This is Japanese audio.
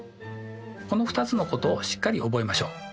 この２つのことをしっかり覚えましょう。